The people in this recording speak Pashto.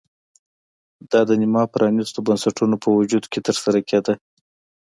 دا د نیمه پرانېستو بنسټونو په وجود کې ترسره کېده